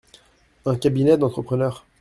Un cabinet d’entrepreneur.